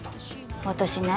私ね